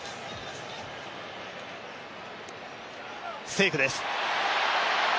セーフです。